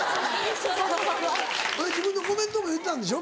自分のコメントも言ってたんでしょ？